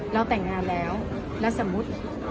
เราแต่งงานแล้วแล้วสมมุติ